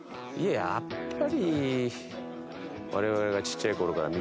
やっぱり。